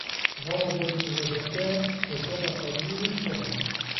ضربني وبكى وسبقني واشتكى